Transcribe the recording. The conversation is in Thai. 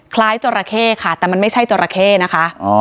คล้ายจอราเข้ค่ะแต่มันไม่ใช่จอราเข้นะคะอ๋อ